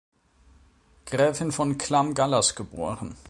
Gräfin von Clam-Gallas geboren.